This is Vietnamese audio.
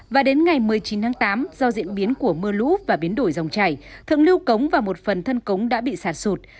và đến ngày một mươi chín tháng tám do diễn biến của mưa lũ và biến đổi dòng chảy thượng lưu cống và một phần thân cống đã bị sạt sụt